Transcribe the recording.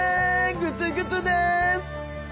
グツグツです！